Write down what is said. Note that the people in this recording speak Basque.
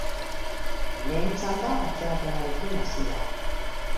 Lehen txanda atzerapenarekin hasi da.